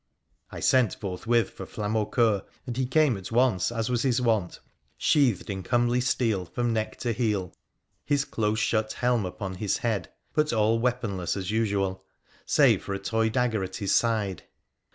I sent forthwith for Flamaucoeur, and he came at once, as was his wont, sheathed in comely steel from neck to heel, his close shut helm upon his head, but all weaponless as usual, save for a toy dagger at his side.